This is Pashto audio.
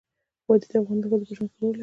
وادي د افغان ښځو په ژوند کې رول لري.